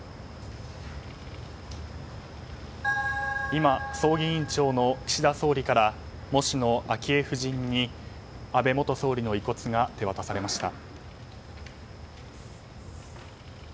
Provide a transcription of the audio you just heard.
今、葬儀委員長の岸田総理から喪主の昭恵夫人に安倍元総理の遺骨が手渡されました。